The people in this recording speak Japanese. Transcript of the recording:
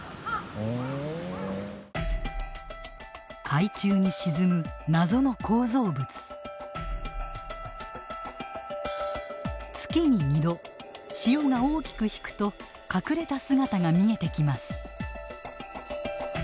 海中に沈む月に２度潮が大きく引くと隠れた姿が見えてきます。